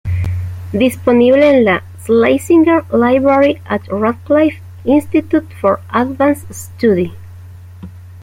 Disponible en la Schlesinger Library at Radcliffe Institute for Advanced Study.